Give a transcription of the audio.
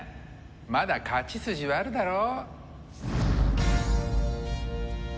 まだ勝ち筋はあるだろ？